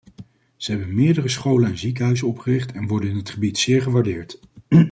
Ze hebben meerdere scholen en ziekenhuizen opgericht en worden in het gebied zeer gewaardeerd.